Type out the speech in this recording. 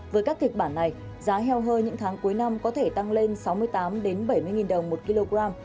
với các kịch bản này giá heo hơi những tháng cuối năm có thể tăng lên sáu mươi tám bảy mươi đồng một kg